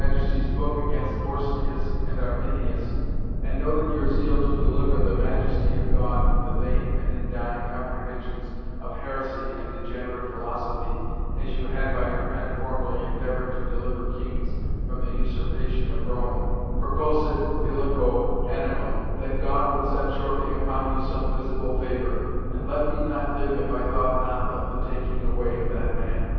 's book against Vorstius and Arminius, and noted your zeal to deliver the majesty of God from the vain and indign comprehensions of heresy and degenerate philosophy, as you had by your pen formerly endeavoured to deliver kings from the usurpation of Rome, perculsit illico animum that God would set shortly upon you some visible favour, and let me not live if I thought not of the taking away of that man."